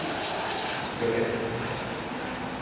Köpek